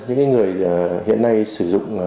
những người hiện nay sử dụng